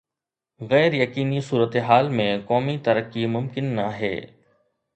غير يقيني صورتحال ۾ قومي ترقي ممڪن ناهي